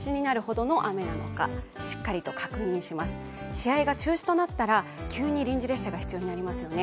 試合が中止となったら急に臨時列車が必要となりますよね。